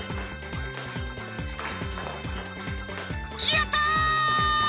やった！